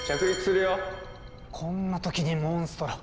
こんな時にモンストロ。